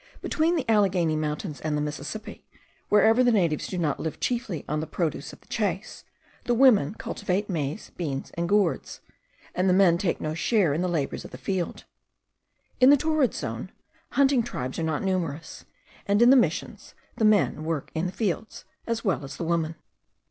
Between the Alleghany mountains and the Mississippi, wherever the natives do not live chiefly on the produce of the chase, the women cultivate maize, beans, and gourds; and the men take no share in the labours of the field. In the torrid zone, hunting tribes are not numerous, and in the Missions, the men work in the fields as well as the women.